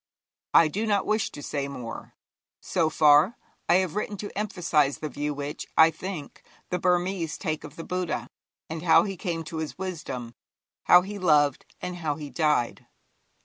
I do not wish to say more. So far, I have written to emphasize the view which, I think, the Burmese take of the Buddha, and how he came to his wisdom, how he loved, and how he died.